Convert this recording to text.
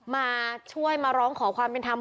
มาช่วยมาร้องขอความเป็นธรรม